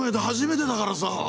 初めてだからさ。